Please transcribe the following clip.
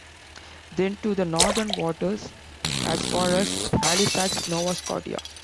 Then to the northern waters as far as Halifax, Nova Scotia.